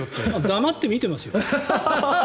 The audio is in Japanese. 黙って見てますよ。